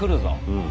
うん。